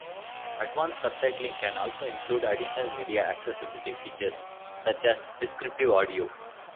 Advanced subtitling can also include additional media accessibility features such as "descriptive audio".